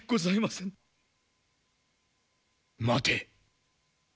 待て。